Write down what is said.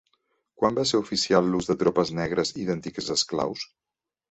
Quan va ser oficial l'ús de tropes negres i d'antics esclaus?